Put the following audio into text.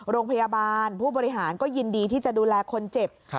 โรงพยาบาลผู้บริหารก็ยินดีที่จะดูแลคนเจ็บ